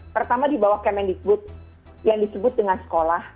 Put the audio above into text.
pertama di bawah kementerian agama yang disebut dengan sekolah